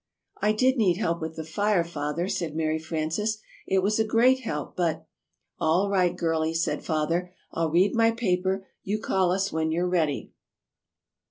"] "I did need help with the fire, Father," said Mary Frances; "it was a great help, but " "All right, Girlie," said Father, "I'll read my paper; you call us when you're ready."